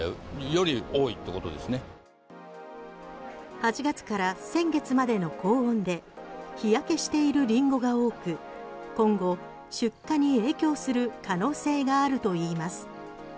８月から先月までの高温で日焼けしているリンゴが多く今後、出荷に影響する可能性があるといいます。